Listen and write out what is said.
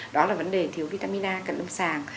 đó là vấn đề thiếu vitamin a cận lâm sàng